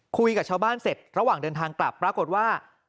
คุยกับชาวบ้านเสร็จระหว่างเดินทางกลับปรากฏว่า